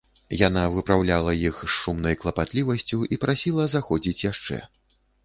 Яна выпраўляла іх з шумнай клапатлівасцю і прасіла заходзіць яшчэ.